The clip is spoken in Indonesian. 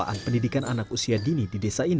yang menerima manfaatnya dari roadside jalan